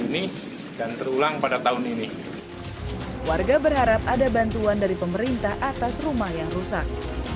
ini dan terulang pada tahun ini warga berharap ada bantuan dari pemerintah atas rumah yang rusak